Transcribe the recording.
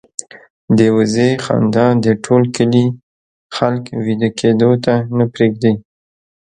د وزې خندا د ټول کلي خلک وېده کېدو ته نه پرېږدي.